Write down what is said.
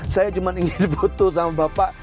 saya cuma ingin foto sama bapak